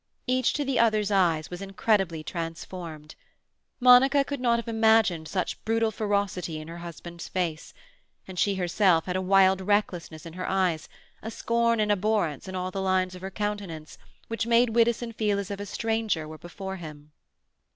Each to the other's eyes was incredibly transformed. Monica could not have imagined such brutal ferocity in her husband's face, and she herself had a wild recklessness in her eyes, a scorn and abhorrence in all the lines of her countenance, which made Widdowson feel as if a stranger were before him.